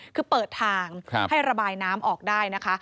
คือเปิดทางให้ระบายน้ำออกได้นะคะ